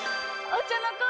お茶の子